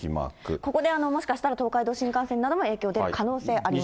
ここでもしかしたら東海道新幹線なども影響出る可能性ありま